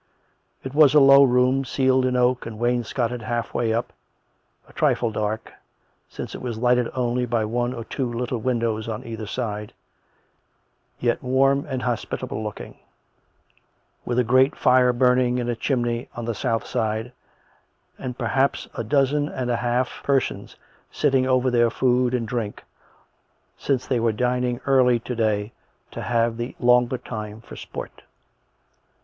It was a low room, ceiled in oak and wainscoted half way up, a trifle dark, since it was lighted only by one or two little windows on either side, yet warm and hospitable looking; with a great fire burning in a chimney on the south side, and perhaps a dozen and a half persons sitting over their food and drink, since they were dining early to day to have the longer time for sport.